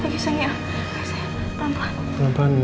din pelan pelan din